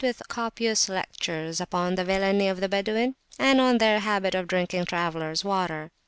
54] with a copious lecture upon the villainy of Badawin, and on their habit of drinking travellers water.